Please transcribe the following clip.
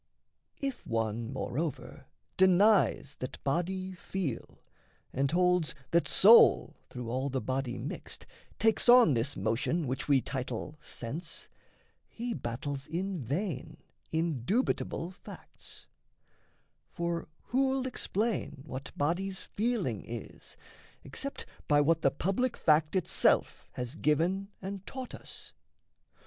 If one, moreover, denies that body feel, And holds that soul, through all the body mixed, Takes on this motion which we title "sense," He battles in vain indubitable facts: For who'll explain what body's feeling is, Except by what the public fact itself Has given and taught us?"